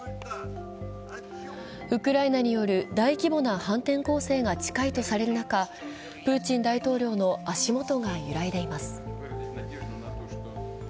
ウクライナによる大規模な反転攻勢が近いとされる中、プーチン大統領の足元が揺らいでいます。